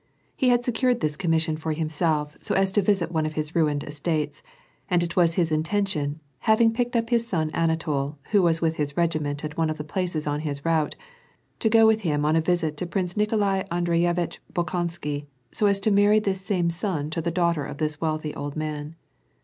* He had secured this commission for liimself so as to visit one of his ruined estates, ami it wjis his intention, having picked up his son Anatol, who was with his regiment at one of tlie places on his route, to go with him on a visit to Prince Nikolai Andreyevitdi I>ol koiisky, so as to marry this same son to the daughter of this wealth v old man.